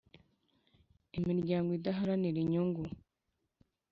Imiryango Idaharanira inyungu